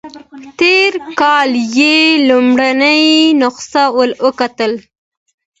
تېر کال یې لومړنۍ نسخه وکتله.